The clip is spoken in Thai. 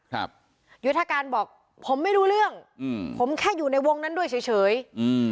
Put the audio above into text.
ยุทธการบอกผมไม่รู้เรื่องอืมผมแค่อยู่ในวงนั้นด้วยเฉยเฉยอืม